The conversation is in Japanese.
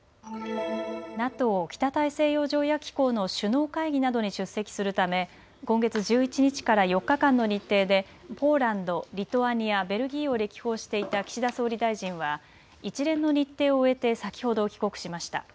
ＮＡＴＯ・北大西洋条約機構の首脳会議などに出席するため今月１１日から４日間の日程でポーランド、リトアニア、ベルギーを歴訪していた岸田総理大臣は一連の日程を終えて先ほど帰国しました。